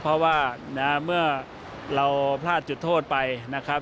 เพราะว่าเมื่อเราพลาดจุดโทษไปนะครับ